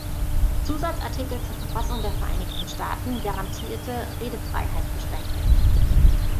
Zusatzartikel zur Verfassung der Vereinigten Staaten garantierte Redefreiheit beschränke.